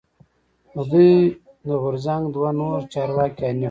د دوی د غورځنګ دوه نور چارواکی حنیف